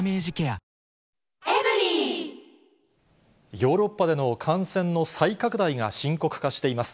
ヨーロッパでの感染の再拡大が深刻化しています。